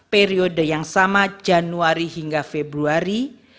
periode yang sama januari hingga februari